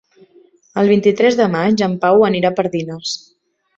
El vint-i-tres de maig en Pau anirà a Pardines.